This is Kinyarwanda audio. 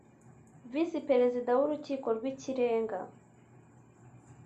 Visi Perezida w Urukiko rw Ikirenga